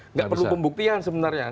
nggak perlu pembuktian sebenarnya